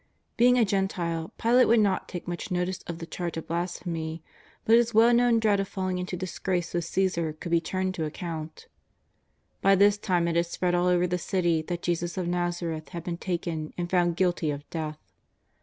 Being a Gentile, Pilate would not take much notice of the charge of blasphemy, but his well known dread of fall ing into disgrace with Caesar could be turned to account. By this time it had spread all over the City that Jesus of ;N"azareth had been taken and found guilty of death.